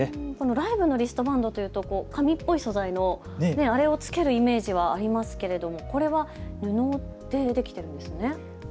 ライブのリストバンドというと紙っぽい素材のあれをつけるイメージがありますがこれは布でできているんですね。